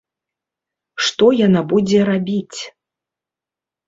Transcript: Што яна будзе рабіць?